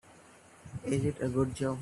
Is it a good job?